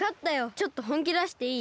ちょっとほんきだしていい？